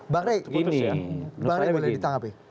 bang rey boleh ditangkapi